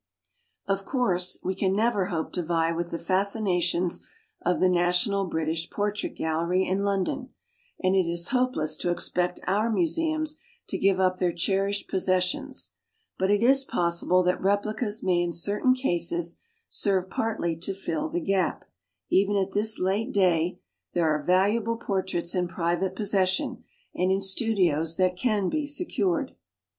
Of course we can never hope to vie with the fascinations of the National British Portrait Gallery in London, and it is hopeless to expect our mu seums to give up their cherished pos sessions ; but it is possible that replicas may in certain cases serve partly to fill the gap, while even at this late day there are valuable portraits in private possession and in studios that can be secured.